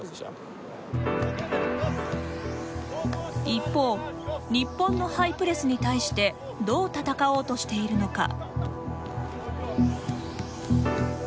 一方日本のハイプレスに対してどう戦おうとしているのか。